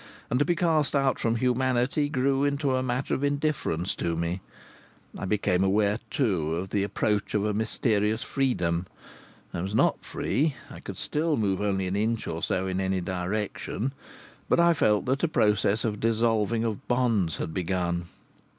And to be cast out from humanity grew into a matter of indifference to me. I became aware, too, of the approach of a mysterious freedom. I was not free, I could still move only an inch or so in any direction; but I felt that a process of dissolving of bonds had begun.